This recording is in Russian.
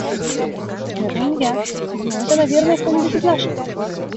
– Это не я. Но это, наверное, кто-нибудь из наших.